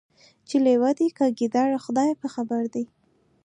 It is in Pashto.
چي لېوه دی که ګیدړ خدای په خبر دی